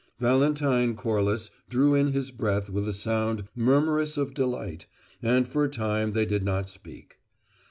Valentine Corliss drew in his breath with a sound murmurous of delight, and for a time they did not speak.